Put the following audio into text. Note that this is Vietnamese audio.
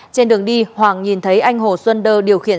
trên đường đi hoàng nhìn thấy anh hồ xuân đơ điều khiển